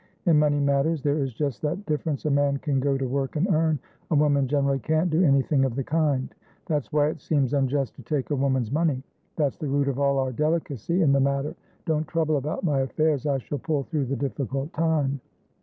In money matters there is just that difference a man can go to work and earn; a woman generally can't do anything of the kind. That's why it seems unjust to take a woman's money; that's the root of all our delicacy in the matter. Don't trouble about my affairs; I shall pull through the difficult time."